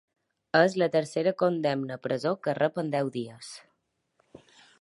És la tercera condemna a presó que rep en deu dies.